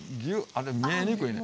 あれ見えにくいね。